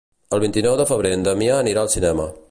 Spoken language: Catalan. El vint-i-nou de febrer en Damià anirà al cinema.